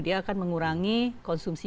dia akan mengurangi konsumsi